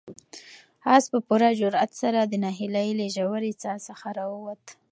آس په پوره جرئت سره د ناهیلۍ له ژورې څاه څخه راووت.